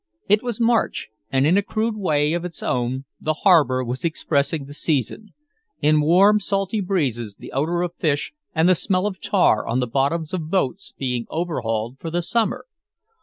It was March, and in a crude way of its own the harbor was expressing the season in warm, salty breezes, the odor of fish and the smell of tar on the bottoms of boats being overhauled for the Summer.